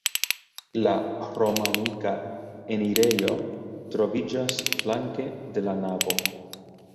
La romanika enirejo troviĝas flanke de la navo.